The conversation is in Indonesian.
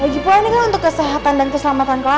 ya gipul ini kan untuk kesehatan dan keselamatan clara